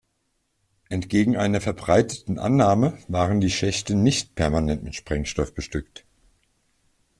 Entgegen einer verbreiteten Annahme waren die Schächte nicht permanent mit Sprengstoff bestückt.